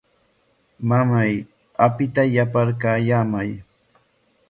Mamay, apita yaparkallamay.